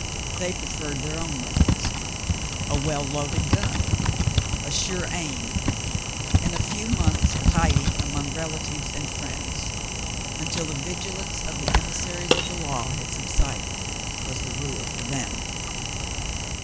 They preferred their own methods. A well loaded gun, a sure aim, and a few months of hid ing among relatives and friends until the vigilance of the emissaries of the law had subsided was the rule with them.